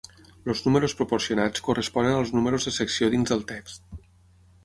Els números proporcionats corresponen als números de secció dins del text.